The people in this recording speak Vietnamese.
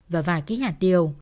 và vài ký hạt điều